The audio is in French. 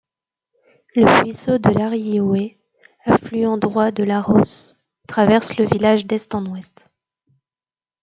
Le ruisseau de l'Arriouet affluent droit de l'Arros, traverse le village d’est en ouest.